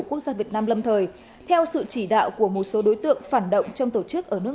quốc gia việt nam lâm thời theo sự chỉ đạo của một số đối tượng phản động trong tổ chức ở nước